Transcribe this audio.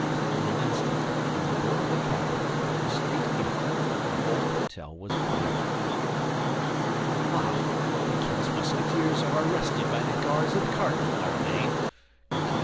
In an instant, from the door of the cabinet to the street gate, the whole hôtel was boiling. "Ah! The king's Musketeers are arrested by the Guards of the cardinal, are they?" continued M.